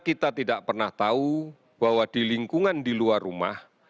kita tidak pernah tahu bahwa di lingkungan di luar rumah